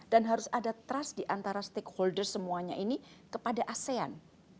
dan harus ada trust di antara stakeholders semuanya ini kepada asean